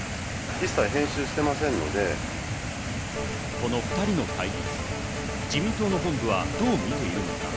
この２人の対立、自民党の本部はどう見ているのか。